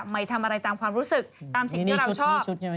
ไม่ทำอะไรตามความรู้สึกตามสิ่งที่เราชอบ